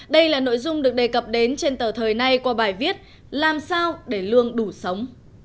đây là nội dung được đề cập đến trên tờ thời nay qua bài viết làm sao để lương đủ sống